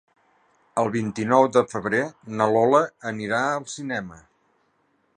El vint-i-nou de febrer na Lola anirà al cinema.